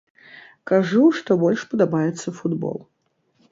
Кажу, што больш падабаецца футбол.